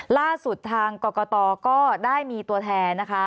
ล่าสุดทางกรกตก็ได้มีตัวแทนนะคะ